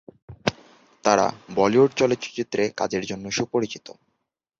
তারা বলিউড চলচ্চিত্রে কাজের জন্য সুপরিচিত।